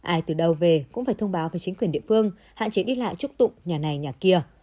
ai từ đầu về cũng phải thông báo với chính quyền địa phương hạn chế đi lại trúc tụng nhà này nhà kia